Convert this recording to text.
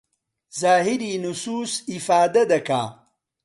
زاهیری نوسووس ئیفادە ئەکا